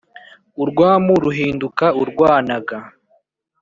urwamu ruhinduka urwanaga.